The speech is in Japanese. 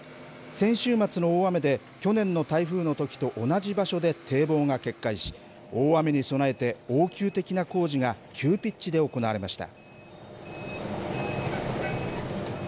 先週末の大雨で去年の台風のときと同じ場所で堤防が決壊し、大雨に備えて応急的な工事が急ピッチで行われました。